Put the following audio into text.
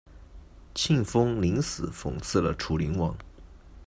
庆封临死讽刺了楚灵王。